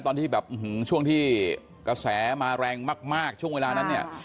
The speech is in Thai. ตอนที่แบบช่วงที่กระแสมาแรงมากช่วงเวลานั้นเนี่ย